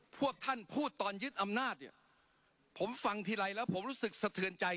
พวกท่านพูดตอนยึดอำนาจเนี่ยผมฟังทีไรแล้วผมรู้สึกสะเทือนใจ